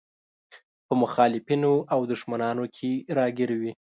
په مخالفينو او دښمنانو کې راګير وي.